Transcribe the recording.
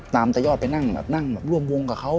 ตามตะยอดไปนั่งร่วมวงกับเขา